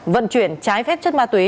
vận chuyển trái phép chất ma túy